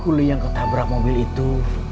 hulu yang ketabrak mobil itu